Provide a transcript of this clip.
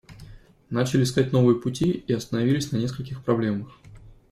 Начали искать новые пути и остановились на нескольких проблемах.